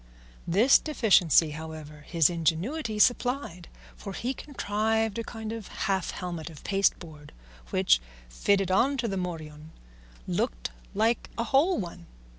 This deficiency, however, his ingenuity supplied, for he contrived a kind of half helmet of pasteboard which, fitted on to the morion, looked like a whole one.